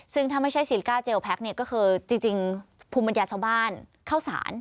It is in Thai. ซึ่งถ้าไม่ใช่ซีลิก้าเจลแพ็คเนี่ยก็คือจริงภูมิปัญญาชาวบ้านเข้าสาร